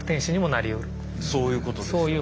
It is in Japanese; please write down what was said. そういうことですよね。